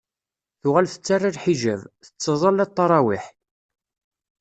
Tuɣal tettarra lḥiǧab, tettẓalla ttarawiḥ.